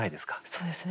そうですね。